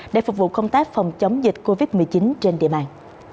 để phục vụ công tác phòng chống dịch covid một mươi chín trên địa bàn